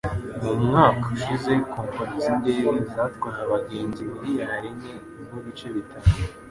Mu mwaka ushize kompanyi z'indege zatwaye abagenzi miliyari enye nubice bitanu